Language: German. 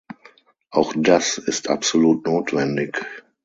Auch das ist absolut notwendig.